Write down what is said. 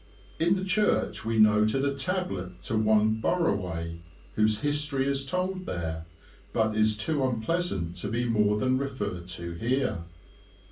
In the church we noted a tablet to one Burraway, whose history is told there, but is too unpleasant to be more than referred to here.